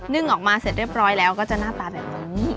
ึ่งออกมาเสร็จเรียบร้อยแล้วก็จะหน้าตาแบบนี้